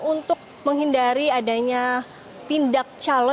untuk menghindari adanya tindak calon